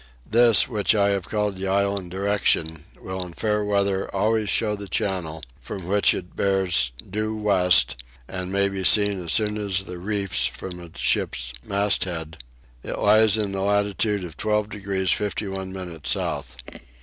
This, which I have called the island Direction, will in fair weather always show the channel, from which it bears due west, and may be seen as soon as the reefs from a ship's masthead: it lies in the latitude of 12 degrees 51 minutes south.